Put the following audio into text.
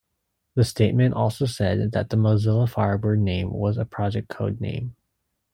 The statement also said that the Mozilla Firebird name was a project codename.